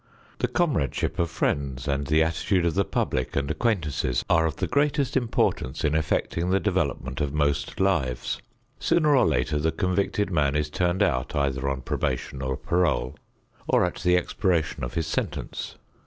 The comradeship of friends, and the attitude of the public and acquaintances are of the greatest importance in effecting the development of most lives. Sooner or later the convicted man is turned out either on probation or parole, or at the expiration of his sentence.